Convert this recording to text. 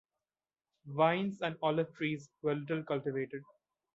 Vines and olive trees were little cultivated.